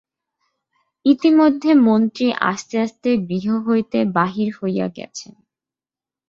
ইতিমধ্যে মন্ত্রী আস্তে আস্তে গৃহ হইতে বাহির হইয়া গেছেন।